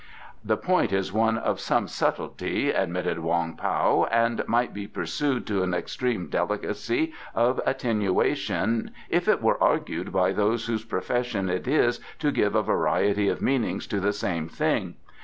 "The point is one of some subtlety," admitted Wong Pao, "and might be pursued to an extreme delicacy of attenuation if it were argued by those whose profession it is to give a variety of meanings to the same thing.